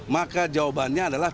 maka jawabannya adalah